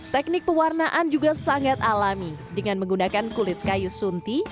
teknik pewarnaan juga sangat alami dengan menggunakan kulit kayu sunti